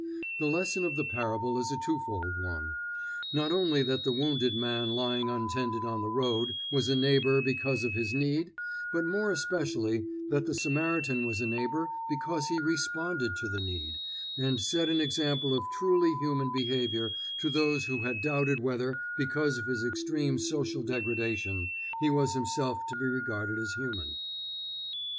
The lesson of the parable is a twofold one: not only that the wounded man lying untended on the road was a neighbor because of his need, but more especially that the Samaritan was a neighbor because he responded to the need, and set an example of truly human behavior to those who had doubted whether, because of his extreme social degradation, he was himself to be regarded as human.